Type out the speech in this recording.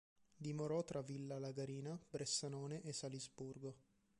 Dimorò tra Villa Lagarina, Bressanone e Salisburgo.